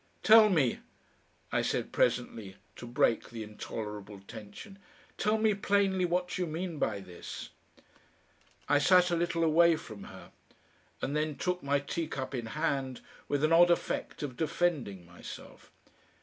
"Tell me," I said presently, to break the intolerable tension, "tell me plainly what you mean by this." I sat a little away from her, and then took my teacup in hand, with an odd effect of defending myself.